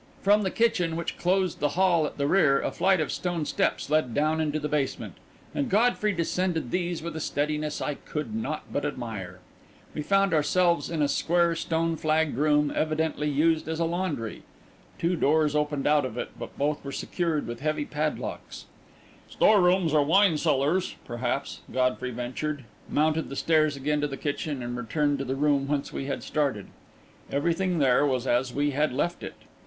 From the kitchen, which closed the hall at the rear, a flight of stone steps led down into the basement, and Godfrey descended these with a steadiness I could not but admire. We found ourselves in a square, stone flagged room, evidently used as a laundry. Two doors opened out of it, but both were secured with heavy padlocks. "Store rooms or wine cellars, perhaps," Godfrey ventured, mounted the stairs again to the kitchen, and returned to the room whence we had started. Everything there was as we had left it.